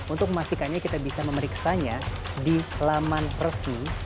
untuk memastikannya kita bisa memeriksanya di laman resmi